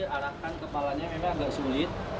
arahkan kepalanya memang agak sulit